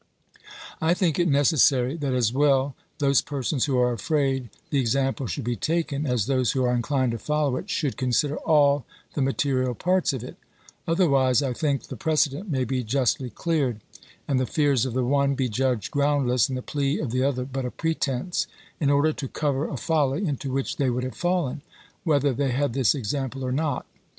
I think it necessary, that as well those persons who are afraid the example should be taken, as those who are inclined to follow it, should consider all the material parts of it; otherwise, I think the precedent may be justly cleared; and the fears of the one be judged groundless, and the plea of the other but a pretence, in order to cover a folly into which they would have fallen, whether they had this example or not.